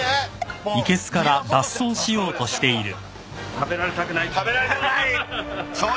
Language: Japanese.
食べられたくない。